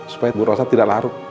supaya bu rosa tidak larut